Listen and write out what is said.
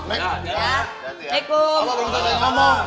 om ya assalamualaikum